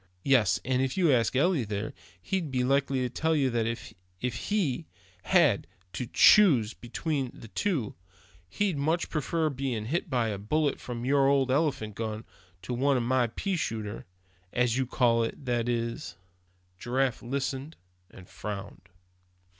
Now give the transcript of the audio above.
Yes, and if you asked Eli there, he'd be likely to tell you that if he had to choose between the two, he'd much prefer being hit by a bullet from your old elephant gun, to one from my pea shooter, as you call it. That's all." Giraffe listened, and frowned.